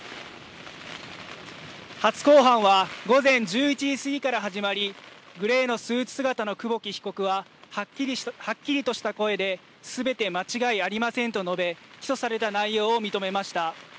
初公判は午前１１時過ぎから始まりグレーのスーツ姿の久保木被告ははっきりとした声ですべて間違いありませんと述べ、起訴された内容を認めました。